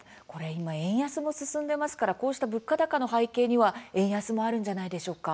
今、円安も進んでますからこうした物価高の背景には円安もあるんじゃないでしょうか。